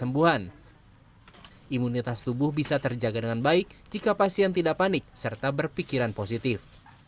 imunitas tubuh bisa terjaga dengan baik jika pasien tidak panik serta berpikiran positif